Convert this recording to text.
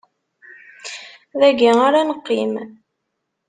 Dagi ara neqqim!